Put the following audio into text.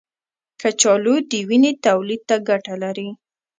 کچالو د وینې تولید ته ګټه لري.